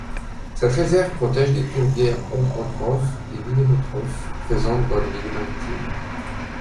Cette réserve protège des tourbières ombrotrophes et minérotrophes présentes dans les milieux maritimes.